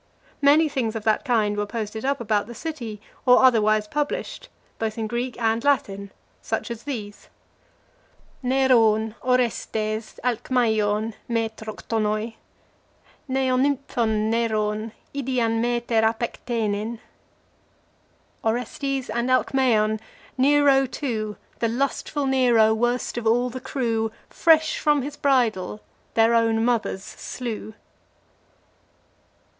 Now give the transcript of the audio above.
Many things of that kind were posted up about the city, or otherwise published, both in Greek and Latin: such as these, Neron, Orestaes, Alkmaion, maetroktonai. Neonymphon Neron, idian maeter apekteinen. Orestes and Alcaeon Nero too, The lustful Nero, worst of all the crew, Fresh from his bridal their own mothers slew.